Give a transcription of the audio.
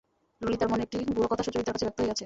ললিতার মনের একটি গূঢ় কথা সুচরিতার কাছে ব্যক্ত হইয়াছে।